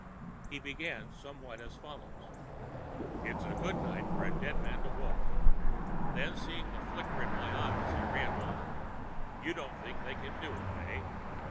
He began somewhat as follows: "It's a good night for a dead man to walk." Then, seeing the flicker in my eyes, he ran on: "You don't think they can do it, eh?